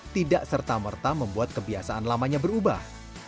tidak serta merta membuat kebiasaan lamanya berubah